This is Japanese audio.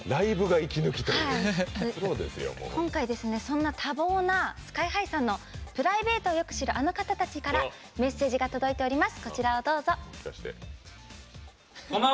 今回、そんな多忙な ＳＫＹ‐ＨＩ さんのプライベートをよく知るあの方たちからメッセージが届いております。